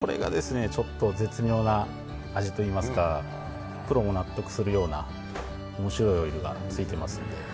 これがちょっと絶妙な味と言いますかプロも納得するような面白いオイルがついています。